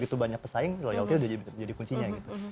karena begitu banyak pesaing loyalty udah jadi kuncinya gitu